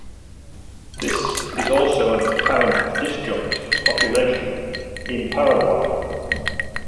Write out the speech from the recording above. There is also an apparent disjunct population in Paraguay.